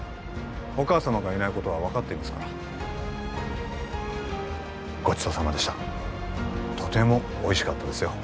お母様がいないことは分かっていますからごちそうさまでしたとてもおいしかったですよ